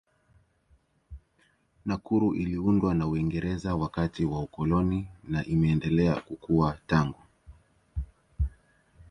Nakuru iliundwa na Uingereza wakati wa ukoloni na imeendelea kukua tangu.